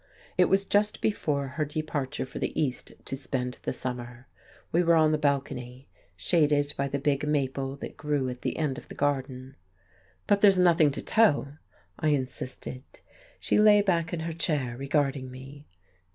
It was just before her departure for the East to spend the summer. We were on the balcony, shaded by the big maple that grew at the end of the garden. "But there's nothing to tell," I insisted. She lay back in her chair, regarding me.